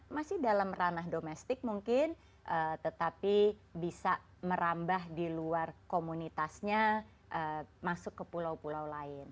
masih dalam ranah domestik mungkin tetapi bisa merambah di luar komunitasnya masuk ke pulau pulau lain